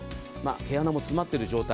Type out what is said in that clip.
毛穴も詰まっている状態。